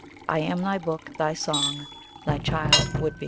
I am thy book, thy song thy child would be.